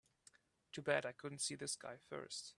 Too bad I couldn't see this guy first.